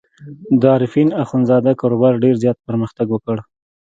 د عارفین اخندزاده کاروبار ډېر زیات پرمختګ وکړ.